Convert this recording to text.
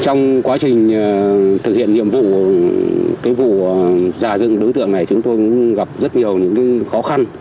trong quá trình thực hiện nhiệm vụ cái vụ giả dưng đối tượng này chúng tôi cũng gặp rất nhiều những khó khăn